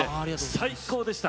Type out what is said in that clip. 最高でした。